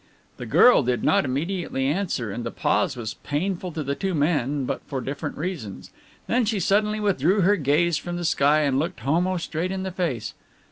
The girl did not immediately answer, and the pause was painful to the two men, but for different reasons. Then she suddenly withdrew her gaze from the sky and looked Homo straight in the face.